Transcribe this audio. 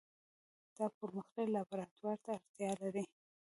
دا پرمختللي لابراتوار ته اړتیا لري.